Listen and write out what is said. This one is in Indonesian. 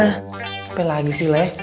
apa lagi sih leh